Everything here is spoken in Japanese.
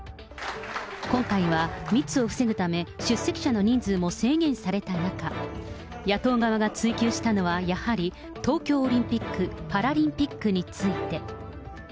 今回は密を防ぐため、出席者の人数も制限された中、野党側が追及したのは、やはり東京オリンピック・パラリンピックについて。